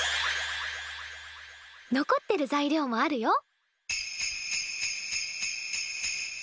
残ってる材料もあるよ。